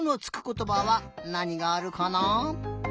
ことばはなにがあるかな？